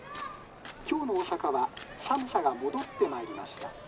「今日の大阪は寒さが戻ってまいりました。